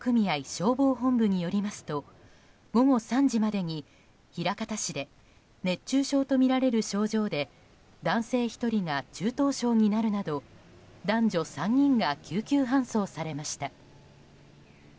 消防本部によりますと午後３時までに枚方市で熱中症とみられる症状で男性１人が中等症になるなど男女３人が救急搬送されました。